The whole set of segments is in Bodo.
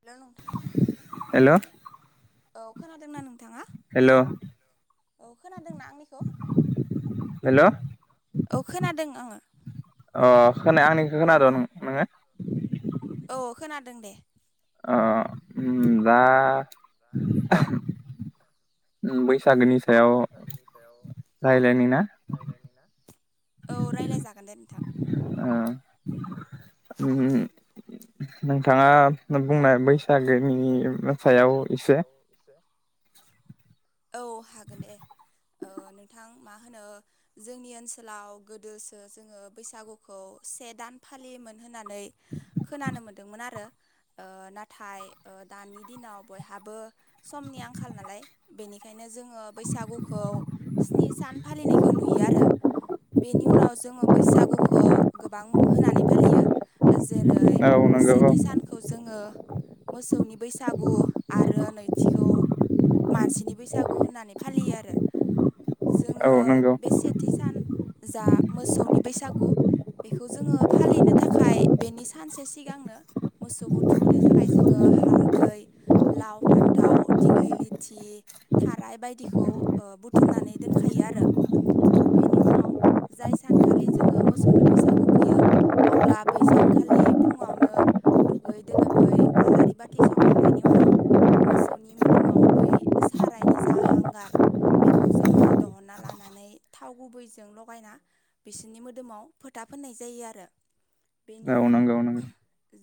हेलौ नों हेलौ औ खोनादोंना नों हेलौ औ खोनादोंना आंनिखौ हेलौ औ खोनादों आङो खोनाया आंनिखौ खोनादों नोंङो? औ खोनादों दे। ओ उम दा बैसागोनि सायाव बैसागोनि सायाव रायलायनि ना रायलायनि ना औ रायलायजागोन दे नोंथां ओ उम नोंथाङा बुंनाय बैसागोनि सायाव एसे [unintelligible] औ हागोन दे ओ नोंथां मा होनो जोंनि ओनसोलाव गोदोसो जोंङो बैसागुखौ से दान फालियोमोन होननानै खोनानो मोन्दोंमोन आरो ओ नाथाय ओ दानि दिनाव बयहाबो समनि आंखाल नालाय बेनिखायनो नो जोंङो बैसागुखौ स्नि सान फालिनायखौ नुयो आरो बेनि उनाव जोंङो बैसागुखौ गोबां मुं होनानै फालियो। जेरै औ नंगौ सेथि सान जोंङो मोसौनि बैसागु आरो नैथिखौ मानसिनि बैसागु होननानै फालियो आरो औ जोंङो औ नंगौ बे सेथि सान जा मोसौनि बैसागु बेखौ जोंङो फालिनो थाखाय बेनि सानसे सिगांनो मोसौखौ थुखैनो थाखाय जोंङो हालदै लाव फान्थाव दिग्लि लिथि थाराय बायदिखौ ओ बुथुमनानै दोनखायो आरो बेनि उनाव जाय सानखालि जोंङो मोसौनि बैसागु फैयो अब्ला बै सानखालि फुङावनो दुगै दोलोबै आलारि बाथि सावखांनायनि उनाव मोसौनि मोदोमाव बै सारायनि जा हांगार बेखौ जोंङो दहनना लानानै थाव गुबैजों लगायना बिसोरनि मोदोमाव फोथा फोननाय जायो आरो औ नंगौ उम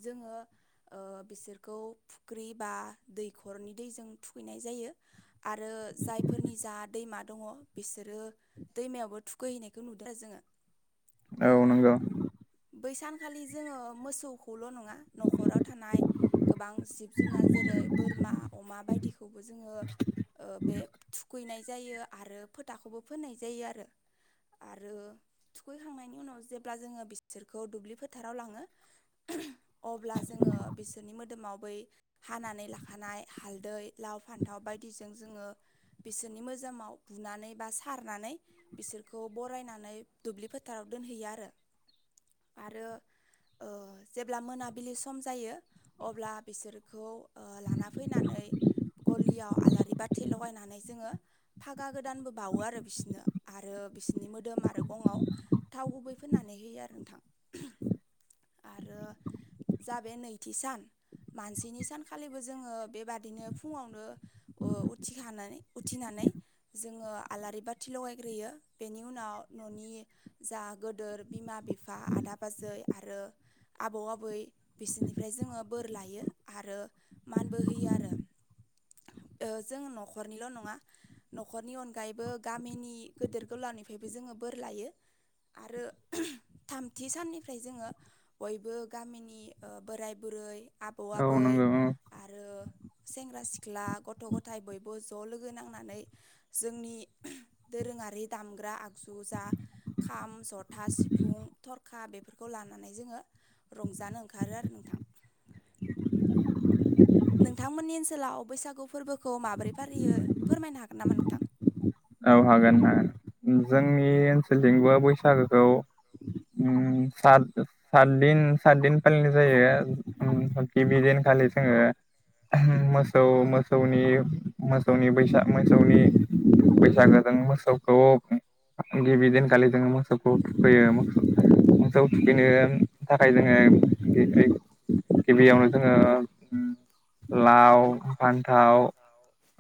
जोंङो ओ बिसोरखौ फुख्रि बा दैखरनि दैजों थुखैनाय जायो। आरो जायफोरनि जा दैमा दङ बिसोरो दैमायावबो थुखैहैनायखौ नुदों आरो जोंङो ओ औ नंगौ बै सानखालि जोंङो मोसौखौल नङा नखराव थानाय गोबां जिब जुनार जेरै बोरमा अमा बायदिखौबो जोंङो ओ बे थुखैनाय जायो आरो फोथाखौबो फोननाय जायो आरो आरो थुखैखांनायनि उनाव जेब्ला जोङो बिसोरखौ दुब्लि फोथाराव लांङो अब्ला जोंङो बिसोरनि मोदोमाव बै हानानै लाखानाय हालदै लाव फान्थाव बा यदि जों जोंङो बिसोरनि मोदोमाव बुनानै बा सारनानै बिसोरखौ बरायनानै दुब्लि फोथाराव दोनहैयो आरो आरो ओ जेब्ला मोना बिलि सम जायो अब्ला बिसोरखौ ओ लाना फैनानै गलियाव आ लारि बाथि लायनानै जोंङो फागा गोदानबो बावो आरो बिसोरनो आरो बिसोरनि मोदाम गंआव थाव गुबै फोननानै होयो आरो नोंथां आरो जा बे नैथि सान मानसिनि सानखालिबो जोंङो बेबादिनो फुङावनो ओ उथिखानानै उथिना नै जोंङो आलारि बाथि लगायग्रोयो बेनि उनाव न'नि जा गोदोद बिमा बिफा आदा बाजै आरो आबौ आबै बिसोरनिफ्राय जोंङो बोर लायो आरो मानबो होयो आरो। [inaudible] ओ जों न'खरनिल' नङा न'खरनि अनगायैबो गामिनि गेदेर गोलावनिफ्रायबो जोंङो बोर लायो। आरो थामथि साननिफ्राय जोङो बयबो गामिनि ओ बोराय बुरै आबौ औ आबै नंगौ आरो सेंग्रा-सिख्ला गथ'-गथाय बयबो ज' लोगो नांनानै जोंनि दोरो ङारि दामग्रा आगजु जा खाम जथा सिफुं थरखा बेफोरखौ लानानै जोङो रंजानो ओंखारो आरो नोंथां। नोंथांमोननि ओनसोलाव बैसागु फोरबोखौ माबोरै फालियो फोरमायनो हागोन नामा नोंथां औ हागोन ओ जोंनि ओनसोलथिंबो बैसागोखौ ओम सात सात दिन सात दिन फालिनाय जायो [unintelligible] दिनखालि जोङो मोसौ मोसौनि मोसौनि बैसा मोसौनि बै सागोजों मोसौखौ गिबि दिनखालि जोङो मोसौखौ थुखैयो मोसौ थुखैनो थाखाय जोङो गिबियावनो जोङो ओम लाव फान्थाव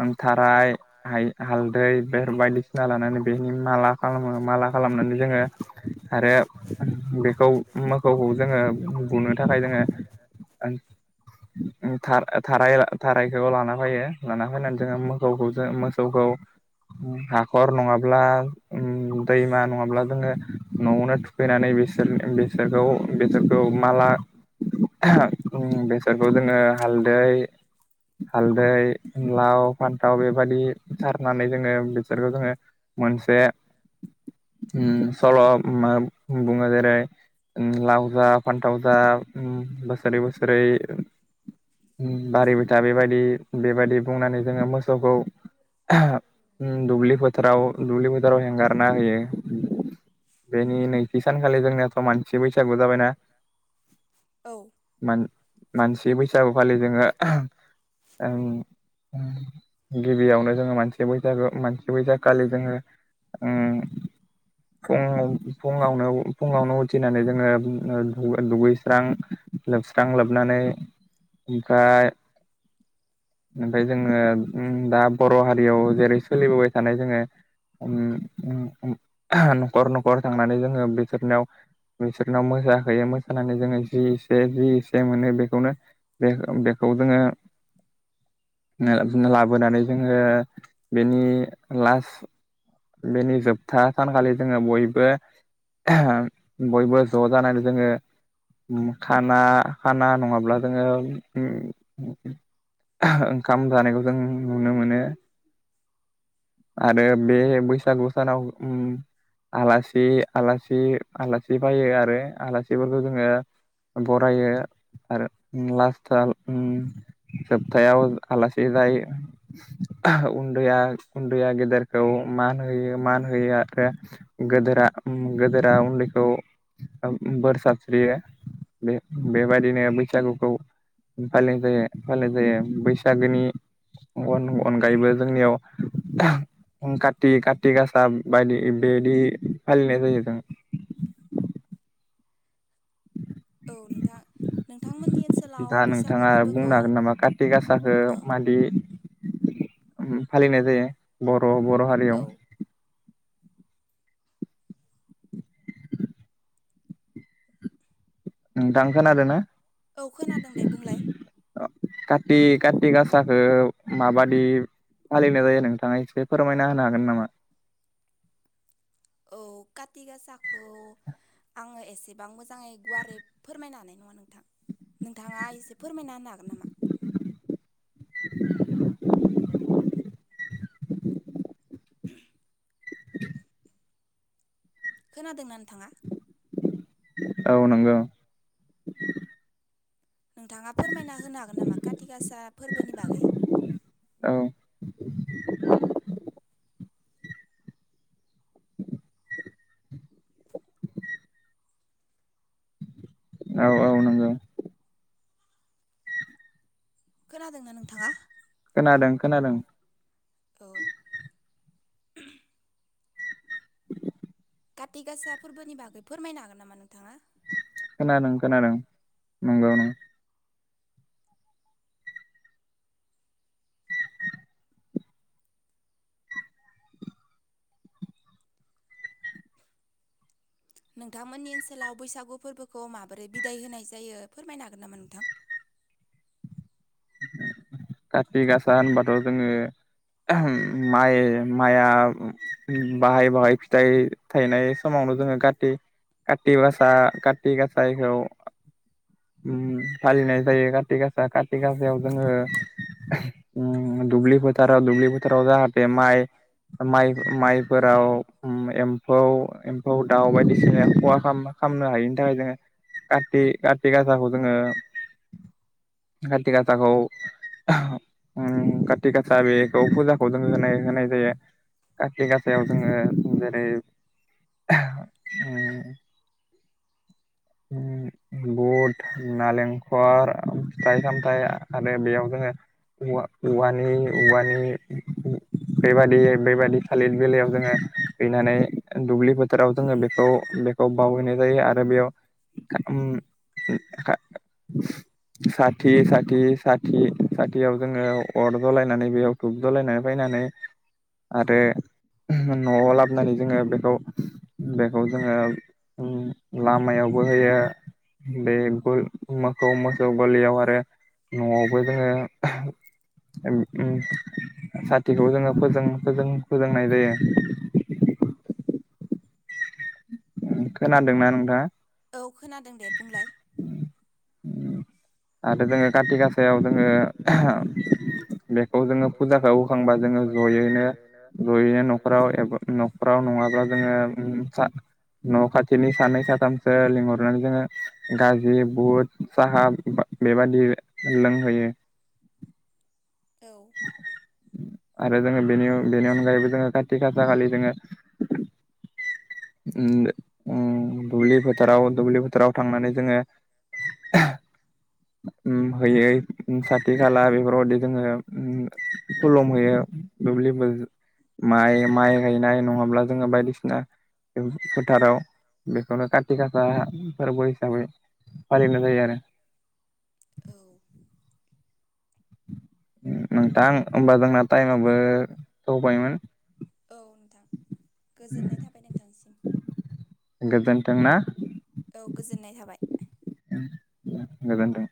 ओम थाराय हाइ हाल दै बेफोर बायदिसिना लानानै बेनि माला खालामो माला खालामनानै जोङो आरो बेखौ मोखौखौ जोङो बुनो थाखाय जोङो ओं था थाराय थारायखौ लाना फैयो लाना फैनानै जोङो मोखौखौ जोङो मोसौखौ हाखर नङाब्ला ओम दैमा नङाब्ला जोङो न'आवनो थुखैनानै बिसोर ओ बेसोरखौ बिसोरखौ माला ओं बेसादखौ जोङो हालदै हालदै लाव फान्थाव बेबादि सारनानै जोङो बिसोरखौ जोङो मोनसे ओम सल' मा बुङो जेरै ओम लाव जा फान्थाव जा ओम बोसोरै बोसोरै बारिबाय था बेबायदि बेबायदि बुंनानै जोङो मोसौखौ ओम दुब्लि फोथाराव दुब्लि फोथाराव हेंगारना होयो बेनि नैथि सानखालि जोंनियाथ' मानसि बैसागु जाबायना औ मान मानसि बैसागु खालि जोङो गिबियावनो जोङो मानसि बै सागु मानसि बैसागुखालि जोङो ओम फुं फुङावनो फुङावनो उथिनानै जोङो ओ दुगैस्रां लोबस्रां लोबनानै ओमफ्राय ओमफ्राय जोङो ओम दा बर' हारियाव जेरै सोलिबोबाय थानाय जोङो ओम न'खर न'खर थांनानै जोङो बिसोरनियाव बिसोरनाव मोसाहैयो मोसानानै जोङो जि एसे जि एसे मोनो बेखौनो बेखौ जोङो लाबोनानै जोङो बेनि लास्ट बेनि जोबथा सानखालि जोङो बयबो बयबो ज' जानानै जोङो खाना खाना नङाब्ला जोङो ओम ओंखाम जानायखौ जों नुनो मोनो आरो बे बैसागु सानाव ओम आलासि आलासि आलासि फायो आरो आलासिफोरखौ जोङो बरायो आरो लास्टाव ओम जोबथायाव आलासि जाय उन्दैया उन्दैया गेदेरखौ मान होयो मान होयो आरो गोदोरा गोदोरा उन्दैखौ बोर साबस्रियो बे बेबायदिनो बैसागुखौ फालिनाय जायो फालिनाय जायो बैसागोनि अन अनगायैबो जोंनियाव [unintelligible] का ति काति गासा बायदि बेदि फालिनाय जायो जों औ नोंथां नोंथांमोननि ओनसोलाव [inaudible] दा बैसागु नोंथाङा फोरबोखौ बुंनो हागोन नामा काति गासाखौ ओ मादि फालिनाय जायो बर' बर' हारियाव औ नोंथां खोनादोंना औ खोनादों दे बुंलाय काति काति गासाखौ माबादि फालिनाय जायो नोंथाङा एसे फोरमायना होनो हागोन नामा औ काथि गासाखौ आङो एसेबां मोजाङै गुवारै फोरमायनो हानाय नङा नोंथां नोंथाङा एसे फोरमायना होनो हागोन नामा [unintelligible] उ [unintelligible] [unintelligible] खोनादों ना नोंथाङा औ नंगौ नोंथाङा फोरमायना होनो हागोन नामा काति गासा फोरबोनि बागै [unintelligible] [unintelligible] औ औ नंगौ खोनादोंना नोंथाङा खोनादों खोनादों औ [inaudible] काति गासा फोरबोनि बागै फोरमायनो हागोन नामा नोंथाङा खोनादों खोनादों नंगौ नों नोंथांमोननि ओनसोलाव बैसागु फोरबोखौ माबोरै बिदाय होनाय जायो फोरमायनो हागोन नामा नोंथां [inaudible] काति गासा होनबाथ' जोङो माइ माइआ बाहाय बाहाय फिथाइ थायनाय समाव जोङो काति कातिक गासा काति गासायखौ उम फालिनाय जायो काति गासा काति गाासायाव जोङो उम दुबलि फोथाराव दुुबलि फोथाराव जाहाते माय माइ माइफोराव उम एम्फौ एम्फौ दाउ बायदिसिनाया खहा खाम खालामनो हायिनि थाखाय जोङो काति काति गासाखौ जोङो काथि गासाखौ उम काति गासा बेखौ फुजाखौ जों होनाय होनाय जायो काति गासायाव जोङो जेरै उम बुट नालेंखर फिथाइ सामथाइ आरो बेयाव जोङो औवा औवानि औवानि बेबायादि बेबादि थालिर बेलायाव जोङो हैनानै दुब्लि बोथोराव जोङो बेखौ बेखौ बावहैनाय जायो आरो बेयाव उम साथि- साथि-साथि-साथियाव जोङो अर जलायनानै बेयाव टुब जलायनानै फैनानै आरो न'आव लाबोनानै जोङो बेखौ बेखौ जोङो उम लामायावबो होयो बे बो मोखौ मोसौ गलियाव आरो न'आवबो जोङो एम उम साथिखौ जोङो फोजों-फोजों-फोजोंनाय जायो। [inaudible] खोनादोंना नोंथाङा? औ खोनादों दे बुंलाय आरो जोङो काति गासायाव जोङो बेखौ जोङो फुजाखौ होखांबा जोङो जयैनो जयैनो न'खराव एबा न'खराव नङाब्ला जोङो उम सा न' खाथिनि सानै साथामसो लिंहरनानै जोङो गाजि बुट साहा बा बेबादि लोंहोयो औ आरो जोङो बेनि-बेनि अनगायैबो जोङो खाथि खासा खालि जोङो उम उम दुब्लि फोथाराव दुब्लि फोथाराव थांनानै जोङो [inaudible] उम हैयो उम साथि खाला बेफोरबायदि जोङो उम खुलुम होयो दुब्लिबो माइ-माइ गायनाय नङाब्ला जोङो बायदिसिना फोथाराव बेखौनो कारति गासा फोरबो हिसाबै फालिनाय जायो आरो औ उम नोंथां होमबा जोंना टाइम आबो सौबायमोन औ नोंथां गोजोननाय थाबाय नोंथांसिम दोंना औ गोजोननाय थाबाय उम गोजोनथों